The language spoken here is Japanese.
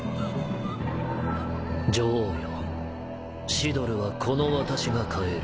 Δ茵シドルはこの私が変える。